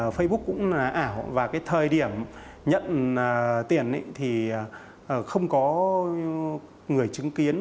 facebook cũng là ảo và cái thời điểm nhận tiền thì không có người chứng kiến